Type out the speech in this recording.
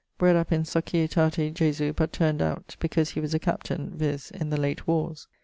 Bred up in Societate Jesu; but turn'd out because he was a captaine, viz. in the late warres.